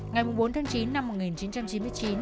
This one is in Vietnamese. ngày bốn tháng chín năm một nghìn chín trăm chín mươi chín